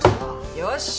よし！